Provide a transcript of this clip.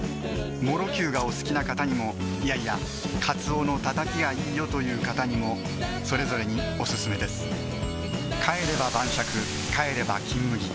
もろきゅうがお好きな方にもいやいやカツオのたたきがいいよという方にもそれぞれにオススメです帰れば晩酌帰れば「金麦」